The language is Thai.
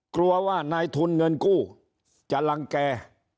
กลัวว่านายทุนเงินกู้จะลังแก่